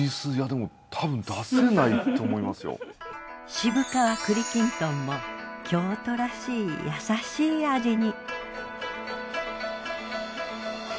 渋皮栗金団も京都らしい優しい味に。